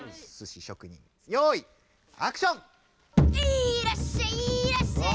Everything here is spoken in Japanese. いらっしゃいいらっしゃい！